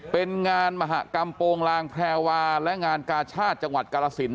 เป็นงานมหากรรมโปรงลางแพรวาและงานกาชาติจังหวัดกาลสิน